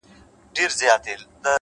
خپل فکرونه د موخې خدمت ته ودرول،